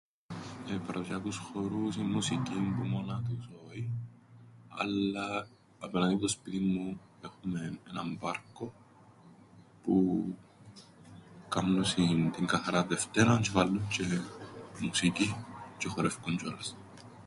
Παραδοσιακούς χορούς ή μουσικήν που μόνα τους όι, αλλά απέναντι που σπίτιν μου έχουμεν έναν πάρκον που κάμνουσιν την Καθαράν Δευτέραν τζ̆αι βάλλουν τζ̆αι μουσικήν τζ̆αι χορεύκουσιν τζ̆ιολας.